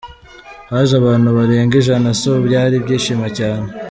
Haje abantu barenga ijana so byari ibyishimo cyane.